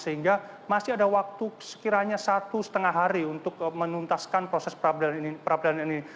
sehingga masih ada waktu sekiranya satu setengah hari untuk menuntaskan proses peradilan ini